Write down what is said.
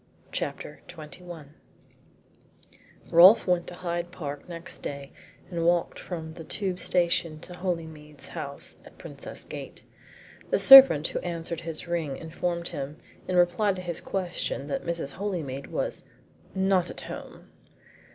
CHAPTER XXI Rolfe went to Hyde Park next day and walked from the Tube station to Holymead's house at Princes Gate. The servant who answered his ring informed him, in reply to his question, that Mrs. Holymead was "Not at home."